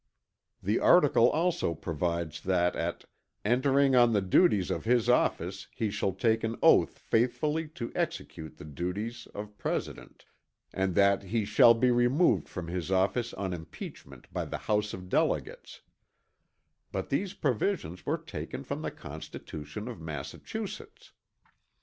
The article also provides that at "entering on the duties of his office he shall take an oath faithfully to execute the duties" of President; and that he "shall be removed from his office on impeachment by the House of Delegates"; but these provisions were taken from the constitution of Massachusetts.